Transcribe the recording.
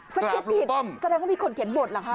สคริปต์ผิดแสดงว่ามีคนเขียนบทเหรอคะ